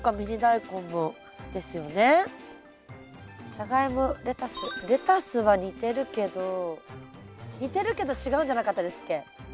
ジャガイモレタスレタスは似てるけど似てるけど違うんじゃなかったですっけ？